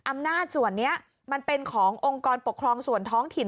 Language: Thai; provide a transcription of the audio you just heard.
อำนาจส่วนนี้มันเป็นขององค์กรปกครองส่วนท้องถิ่น